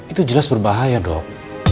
itu jelas berbahaya dok